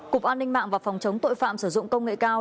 cục an ninh mạng và phòng chống tội phạm sử dụng công nghệ cao